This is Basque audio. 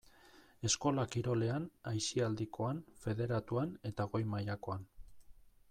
Eskola kirolean, aisialdikoan, federatuan eta goi-mailakoan.